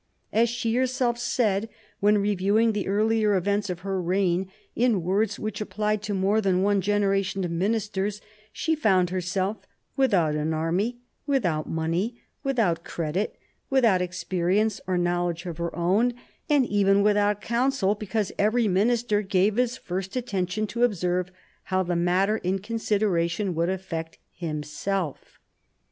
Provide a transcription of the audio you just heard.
As she herself said, when reviewing the earlier events of her reign, in words which applied to more than one generation of ministers, she found herself "without an army, without money, without credit, without experi ence or knowledge of her own, and even without F /*■ 66 MARIA THERESA chap, iv counsel, because every minister gave his first attention to observe how the matter in consideration would affect himself."